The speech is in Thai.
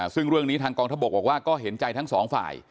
ซึ่งเรื่องนี้ทางกองทบกบอกว่าก็เห็นใจทั้งสองฝ่าย